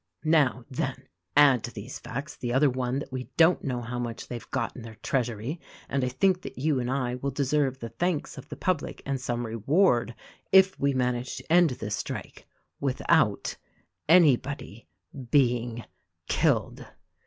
"Now, then, add to these facts the other one that we don't know how much they've got in their treasury, and I think that you and I will deserve the thanks of the public and some reward if we manage to end this strike — without — anybody — being — killed."